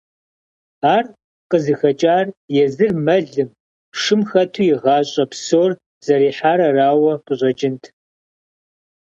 Ар къызыхэкӏар езыр мэлым, шым хэту и гъащӏэ псор зэрихьар арауэ къыщӏэкӏынт.